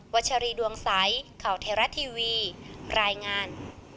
ชัชรีดวงใสข่าวเทราะทีวีรายงาน